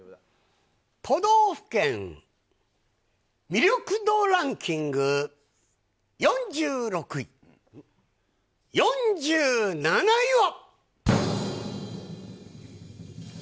都道府県魅力度ランキング４６位、４７位は。